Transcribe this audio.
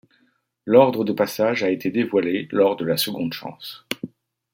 L'ordre de passage a été dévoilé lors de la Seconde Chance.